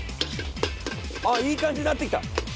ああいい感じになってきた。